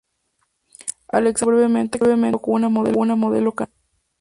Alexander estuvo brevemente casado con una modelo canadiense.